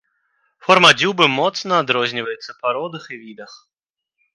Форма дзюбы моцна адрозніваецца па родах і відах.